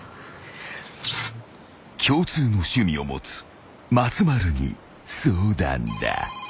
［共通の趣味を持つ松丸に相談だ］